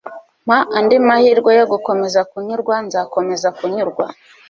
Mpa andi mahirwe yo gukomeza kunyurwa Nzakomeza kunyurwa